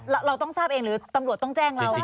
เราต้องทราบเองหรือตำรวจต้องแจ้งเรา